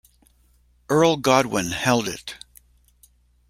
Earl Godwin Held it.